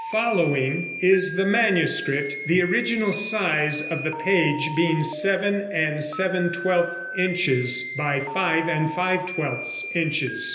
Following is the manuscript, the original size of the page being seven and seven twelfths inches by five and five twelfths inches.